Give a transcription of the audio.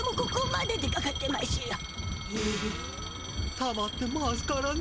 たまってますからね。